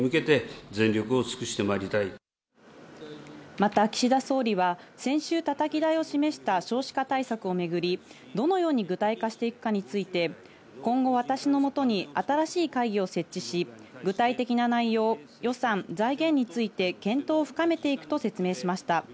また岸田総理は先週、たたき台を示した少子化対策をめぐり、どのように具体化していくかについて、今後、私のもとに新しい会議を設置し、具体的な内容、予算、財源について検討を深めていくと説明しました。